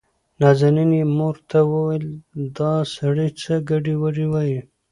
نازنين يې مور ته وويل دا سړى څه ګډې وډې وايي.